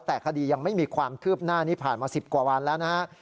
แต่คดียังไม่มีความคืบหน้านี้ผ่านมา๑๐กว่าวันแล้วนะฮะ